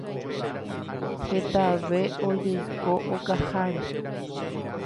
Hetave ojeiko okaháre.